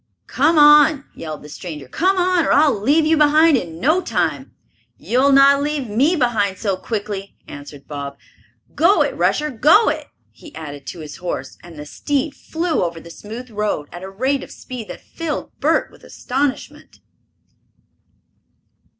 "Come on!" yelled the stranger. "Come on, or I'll leave you behind in no time!" "You'll not leave me behind so quickly," answered Bob. "Go it, Rusher, go it!" he added to his horse, and the steed flew over the smooth road at a rate of speed that filled Bert with astonishment.